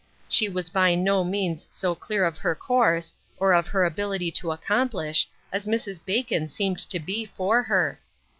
She was by no means so clear of her course, or of her ability to accomplish, as Mrs. Bacon seemed to be for her.